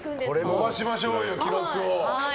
伸ばしましょうよ、記録を。